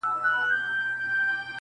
ژر سه ووهه زموږ خان ته ملاقونه.!